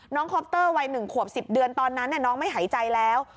น้องคอปเตอร์วัยหนึ่งขวบสิบเดือนตอนนั้นเนี่ยน้องไม่หายใจแล้ว